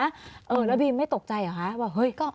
แล้วบีมไม่ตกใจเหรอคะว่าเฮ้ย